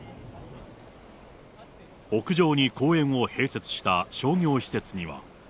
屋上に公園を併設した商業施設には。